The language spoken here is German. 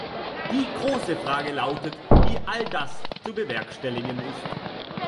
Die große Frage lautet, wie all das zu bewerkstelligen ist.